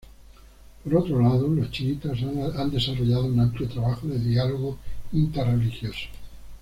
Por otro lado, los chiitas han desarrollado un amplio trabajo de diálogo interreligioso￼￼.